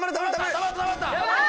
たまったたまった！